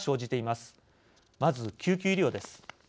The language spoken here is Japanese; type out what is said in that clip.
まず、救急医療です。